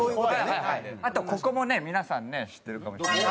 あとここもね皆さんね知ってるかもしれない。